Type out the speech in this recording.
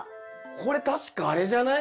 これ確かあれじゃない？